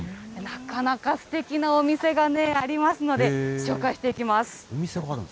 なかなかすてきなお店がね、ありますので、紹介していきます。